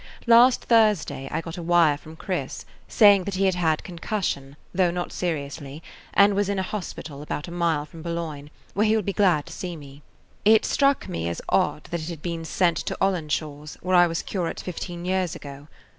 Last Thursday I got a wire from Chris, saying that he had had concussion, though not seriously, and was in a hos [Page 35] pital about a mile from Boulogne, where he would be glad to see me. It struck me as odd that it had been sent to Ollenshaws, where I was curate fifteen years ago.